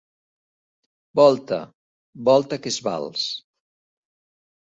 Volta. —Volta, que és vals!